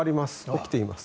起きています。